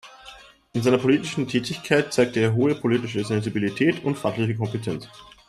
In seiner politischen Tätigkeit zeigte er hohe politische Sensibilität und fachliche Kompetenz.